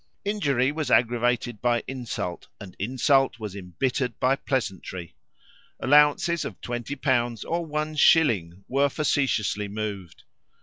Injury was aggravated by insult, and insult was embittered by pleasantry. Allowances of 20l. or 1s. were facetiously moved.